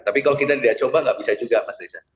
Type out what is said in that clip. tapi kalau kita tidak coba nggak bisa juga mas riza